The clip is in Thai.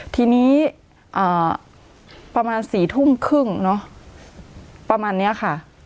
ทีนี้ประมาณ๔ทุ่มครึ่งเนอะประมาณนี้ค่ะ